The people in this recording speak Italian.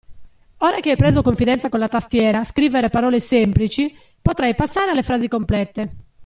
Ora che hai preso confidenza con la tastiera scrivere parole semplici, potrai passare alle frasi complete.